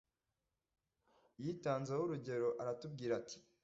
Yitanzeho urugero, aratubwira ati, ”